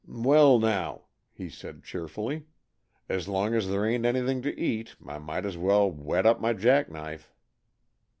"Well, now," he said cheerfully, "as long as there ain't anything to eat I might as well whet up my jack knife."